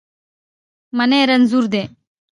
منی رنځور دی